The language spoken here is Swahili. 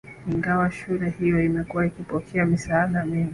Ingawa shule hiyo imekuwa ikipokea misaada mingi